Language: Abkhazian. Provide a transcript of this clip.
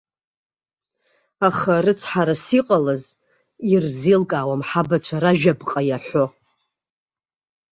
Аха, рыцҳарас иҟалаз, ирзеилкаауам ҳабацәа ражәаԥҟа иаҳәо.